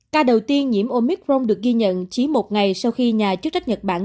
ca đầu tiên nhiễm omicron được ghi nhận chỉ một ngày sau khi nhà chức trách nhật bản